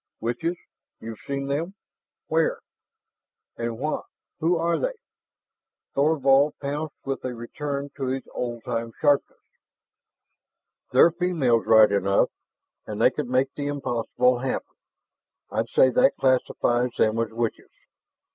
"Witches? You've seen them? Where? And what who are they?" Thorvald pounced with a return of his old time sharpness. "They're females right enough, and they can make the impossible happen. I'd say that classifies them as witches.